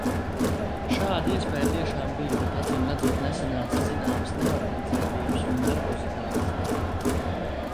Šāda iespēja tiešām bija, bet acīmredzot nesanāca zināmas neorganizētības un nervozitātes dēļ.